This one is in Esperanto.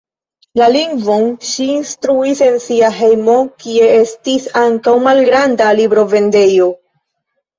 La lingvon ŝi instruis en sia hejmo, kie estis ankaŭ malgranda librovendejo.